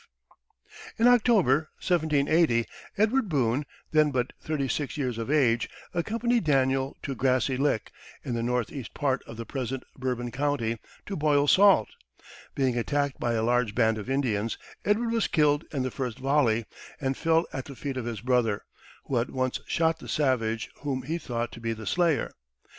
In October, 1780, Edward Boone, then but thirty six years of age, accompanied Daniel to Grassy Lick, in the northeast part of the present Bourbon County, to boil salt. Being attacked by a large band of Indians, Edward was killed in the first volley, and fell at the feet of his brother, who at once shot the savage whom he thought to be the slayer.